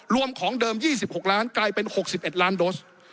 ของเดิม๒๖ล้านกลายเป็น๖๑ล้านโดส